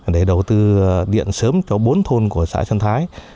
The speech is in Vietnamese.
để đầu tư điện sớm cho bốn thôn của xã xuân thái